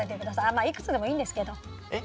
まあいくつでもいいんですけど。